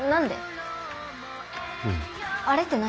あれって何？